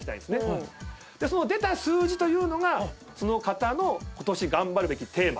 その出た数字というのがその方のことし頑張るべきテーマ